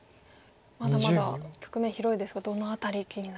まだまだ局面広いですがどの辺り気になりますか？